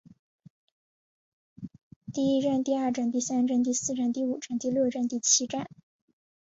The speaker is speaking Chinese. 第一战第二战第三战第四战第五战第六战第七战